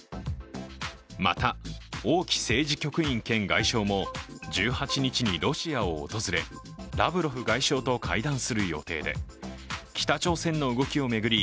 また王毅政治局員兼外相も１８日にロシアを訪れラブロフ外相と会談する予定で北朝鮮の動きを巡り